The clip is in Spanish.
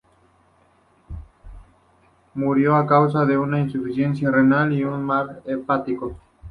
Murió a causa de una insuficiencia renal y de un mal hepático.